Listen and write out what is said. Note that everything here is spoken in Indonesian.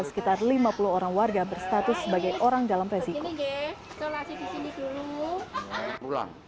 sekitar lima puluh orang warga berstatus sebagai orang dalam resiko